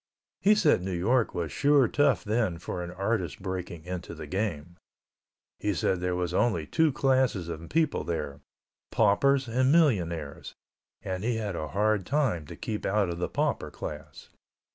He said New York was sure tough then for an artist breaking into the game. He said there was only two classes of people there: paupers and millionaires, and he had a hard time to keep out of the pauper class.